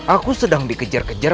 aku sedang dikejar kejar